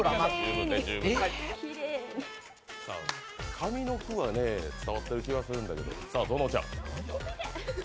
上の句は伝わってる気がするんだけど。